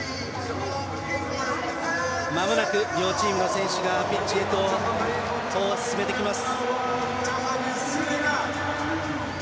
まもなく両チームの選手がピッチへと歩を進めてきます。